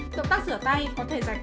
động tác rửa tay có thể giải phóng